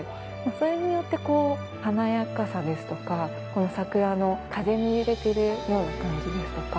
それによって華やかさですとかこの桜の風に揺れているような感じですとか